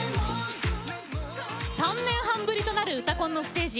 ３年半ぶりとなる「うたコン」のステージ。